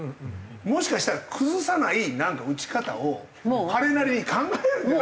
もしかしたら崩さない打ち方を彼なりに考えられてないかなと。